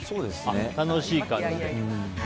楽しい感じで。